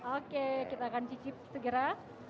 oke kita akan cicip segera